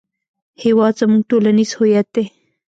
هېواد زموږ ټولنیز هویت دی